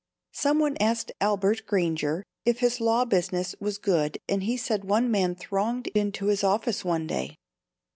Some one asked Albert Granger if his law business was good and he said one man thronged into his office one day.